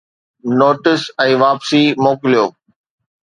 Notes ۽ واپسي موڪليو.